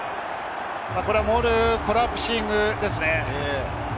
モールコラプシングですね。